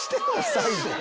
最後。